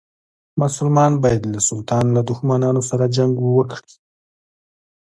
مسلمان باید له سلطان له دښمنانو سره جنګ وکړي.